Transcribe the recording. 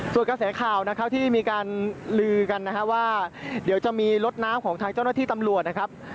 ส่วนกระแสข่าวนะครับที่มีการลือกันนะฮะว่าเดี๋ยวจะมีรถน้ำของทางเจ้าหน้าที่ตำรวจนะครับ